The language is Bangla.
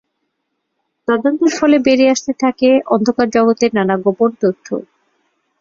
তদন্তের ফলে বেরিয়ে আসতে থাকে অন্ধকার জগতের নানা গোপন তথ্য।